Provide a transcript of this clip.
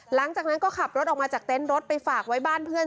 หลังจากนั้นก็ขับรถออกมาจากเต็นต์รถไปฝากไว้บ้านเพื่อน